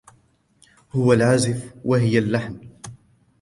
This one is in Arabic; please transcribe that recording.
هو العازف و هي اللحن.